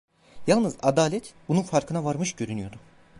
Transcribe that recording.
Yalnız Adalet bunun farkına varmış görünüyordu.